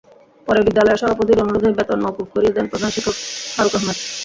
পরে বিদ্যালয়ের সভাপতির অনুরোধে বেতন মওকুফ করিয়ে দেন প্রধান শিক্ষক ফারুক আহমেদ।